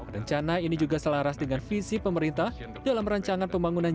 rencana ini juga selaras dengan visi pemerintah dalam rancangan pembangunan